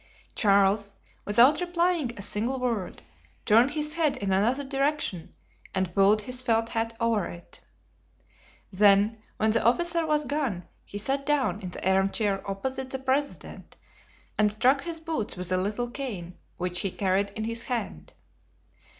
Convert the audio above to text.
Charles, without replying a single word, turned his head in another direction and pulled his felt hat over it. Then when the officer was gone he sat down in the arm chair opposite the president and struck his boots with a little cane which he carried in his hand.